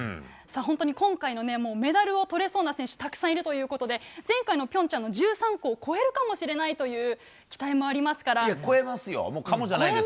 本当に今回メダルをとれそうな選手たくさんいるということで前回の平昌の１３個を超えるかもしれないという期待もありますから。